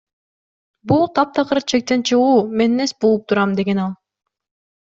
Бул таптакыр чектен чыгуу, мен нес болуп турам, — деген ал.